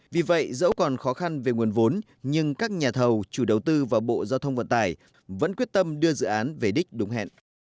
vì vậy dẫu còn khó khăn về nguồn vốn nhưng các nhà thầu chủ đầu tư và bộ giao thông vận tải vẫn quyết tâm đưa dự án về đích đúng hẹn